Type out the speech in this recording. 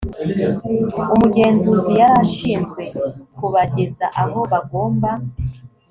umugenzuzi yari ashinzwe kubageza aho bagomba